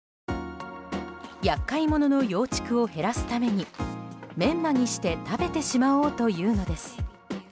厄介者の幼竹を減らすためにメンマにして食べてしまおうというのです。